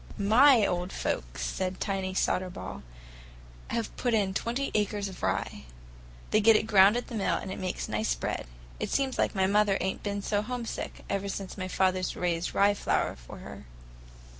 "My old folks," said Tiny Soderball, "have put in twenty acres of rye. They get it ground at the mill, and it makes nice bread. It seems like my mother ain't been so homesick, ever since father's raised rye flour for her."